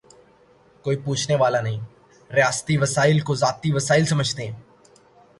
کوئی پوچھنے والا نہیں، ریاستی وسائل کوذاتی وسائل سمجھتے ہیں۔